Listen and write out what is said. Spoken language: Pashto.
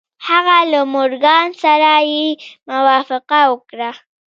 هغه له مورګان سره يې موافقه وکړه.